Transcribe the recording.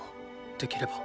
できれば。